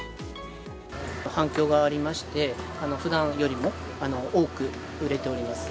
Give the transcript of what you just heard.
反響がありまして、ふだんよりも多く売れております。